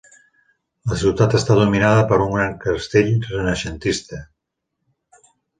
La ciutat està dominada per un gran castell renaixentista.